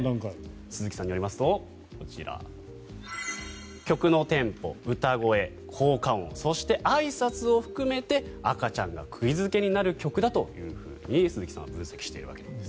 鈴木さんによりますとこちら、曲のテンポ、歌声効果音そして、あいさつを含めて赤ちゃんが釘付けになる曲だというふうに鈴木さんは分析しているわけなんです。